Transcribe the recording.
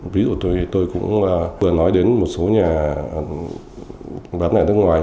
ví dụ tôi cũng vừa nói đến một số nhà bán lẻ nước ngoài